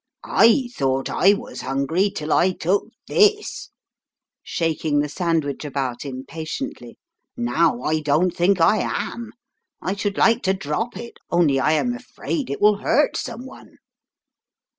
I thought I was hungry till I took this " (shaking the sandwich about impatiently) ;" now I don't think I am. I should like to drop it, only I am afraid it will hurt some one."